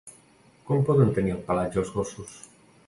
Com poden tenir el pelatge els gossos?